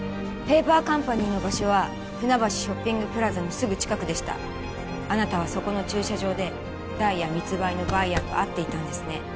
ペーパーカンパニーの場所は船橋ショッピングプラザのすぐ近くでしたあなたはそこの駐車場でダイヤ密売のバイヤーと会っていたんですね